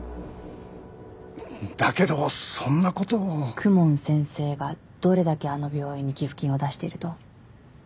だけどそんなことを公文先生がどれだけあの病院に寄付金を出していると？